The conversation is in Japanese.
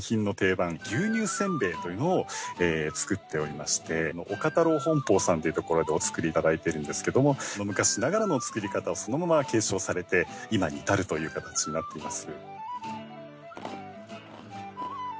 牛乳せんべいというのを作っておりまして岡太楼本舗さんというところでお作り頂いてるんですけども昔ながらの作り方をそのまま継承されて今に至るという形になっています。